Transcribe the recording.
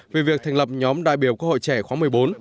về việc thành lập nhóm đại biểu quốc hội trẻ khóa một mươi bốn